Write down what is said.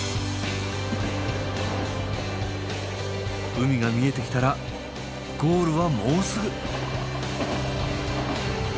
海が見えてきたらゴールはもうすぐ。